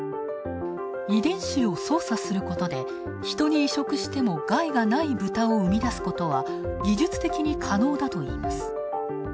遺伝子を操作することで、人に移植しても害がないブタを生み出すことは、技術的に可能だといいます。